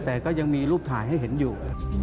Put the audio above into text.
แต่ก็ยังมีรูปถ่ายให้เห็นอยู่